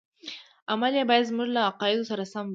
عمل یې باید زموږ له عقایدو سره سم وي.